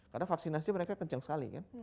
karena vaksinasi mereka kencang sekali